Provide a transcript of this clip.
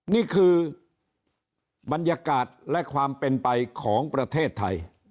นี่คือบรรยากาศและความเป็นไปของประเทศไทย